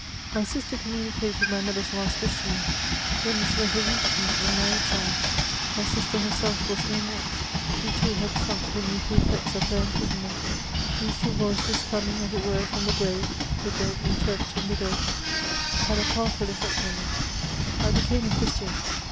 My sister communicated my mother's last wish to me. When this letter reached me in my exile, my sister herself was no more ; she, too, had sunk beneath the effects of her imprisonment. These two voices, coming, as it were, from the grave — the dead interpreting the dead — had a powerful effect on me. I became a Christian.